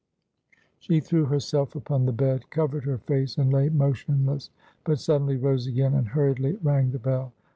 She threw herself upon the bed, covered her face, and lay motionless. But suddenly rose again, and hurriedly rang the bell.